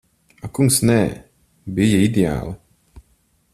Ak kungs, nē. Bija ideāli.